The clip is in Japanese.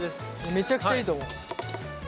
めちゃくちゃいいと思う。